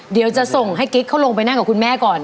เดี๋ยวจะส่งให้กิ๊กเขาลงไปนั่งกับคุณแม่ก่อน